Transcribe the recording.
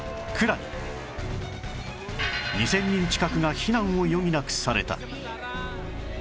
２０００人近くが避難を余儀なくされた